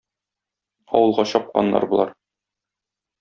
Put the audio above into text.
Авылга чапканнар болар.